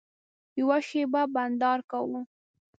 یوه شېبه بنډار کوو.